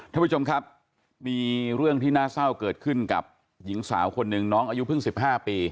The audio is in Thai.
ท่านผู้ชมครับมีเรื่องที่น่าเศร้าเกิดขึ้นกับหญิงสาวคนหนึ่งน้องอายุเพิ่ง๑๕ปี